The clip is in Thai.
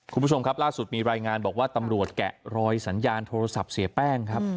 คุณผู้ชมครับล่าสุดมีรายงานบอกว่าตำรวจแกะรอยสัญญาณโทรศัพท์เสียแป้งครับ